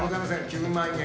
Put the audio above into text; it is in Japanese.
９万円。